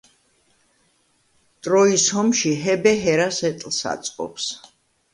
ტროის ომში ჰებე ჰერას ეტლს აწყობს.